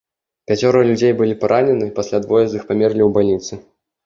Пяцёра людзей былі паранены, пасля двое з іх памерлі ў бальніцы.